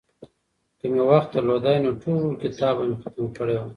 که مي وخت درلودای نو ټول کتاب به مي ختم کړی وای.